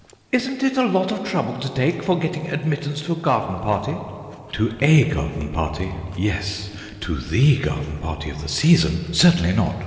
"Isn't it a lot of trouble to take for getting admittance to a garden party?" "To a garden party, yes; to the garden party of the season, certainly not.